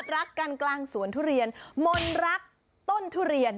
รักกันกลางสวนทุเรียนมนรักต้นทุเรียน